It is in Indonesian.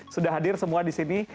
sudah hadir semua di sini